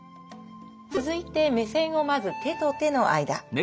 続いて目線をまず手と手の間。